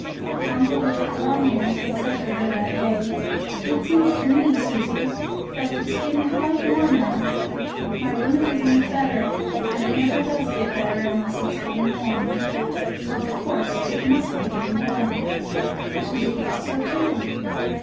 Uncle Wiggily Longears had said to her that day: "It seems to me, Susie, that it's getting quite warm out. My rheumatism is better, and it never does get better unless it's getting warm. So, of course, it must be getting warm." Susie thought so, too.